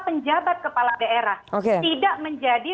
penjabat kepala daerah tidak menjadi